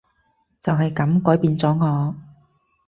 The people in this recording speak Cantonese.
就係噉改變咗我